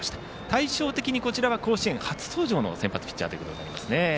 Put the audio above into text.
対照的にこちらは甲子園初登場の先発ピッチャーとなりますね。